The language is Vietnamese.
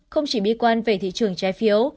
không chỉ bi quan về thị trường trái phiếu